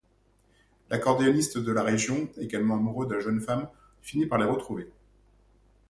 L'accordéoniste de la région, également amoureux de la jeune femme, finit par les retrouver.